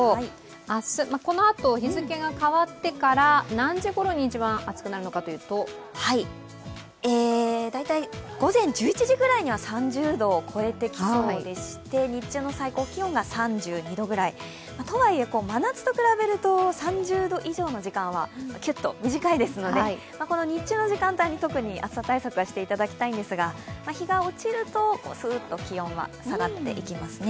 明日、このあと日付が変わってから何時頃に一番暑くなるのかというと大体午前１１時には３０度を超えてきそうでして日中の最高気温が３２度ぐらい、とはいえ真夏と比べると３０度以上の時間はきゅっと短いですのでこの日中の時間帯に特に暑さ対策はしていただきたいんですが日が落ちるとすっと気温は下がっていきますね。